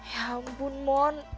ya ampun mohon